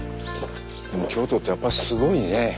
でも京都ってやっぱすごいね。